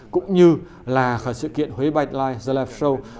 cũng như là sự kiện huế bite life the life show